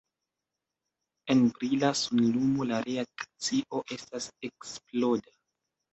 En brila sunlumo la reakcio estas eksploda.